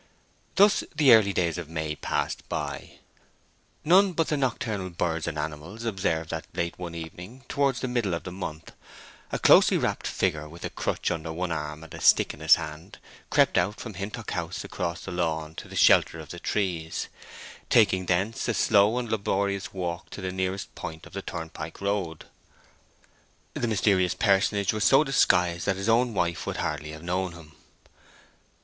Thus the early days of May passed by. None but the nocturnal birds and animals observed that late one evening, towards the middle of the month, a closely wrapped figure, with a crutch under one arm and a stick in his hand, crept out from Hintock House across the lawn to the shelter of the trees, taking thence a slow and laborious walk to the nearest point of the turnpike road. The mysterious personage was so disguised that his own wife would hardly have known him.